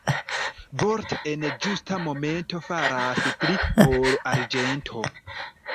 Vort' en ĝusta momento faras pli ol arĝento.